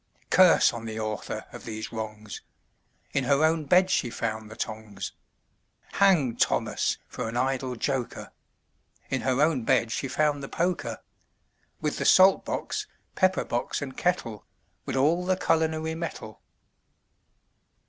Curse on the author of these wrongs, In her own bed she found the tongs, (Hang Thomas for an idle joker!) In her own bed she found the poker, With the salt box, pepper box, and kettle, With all the culinary metal.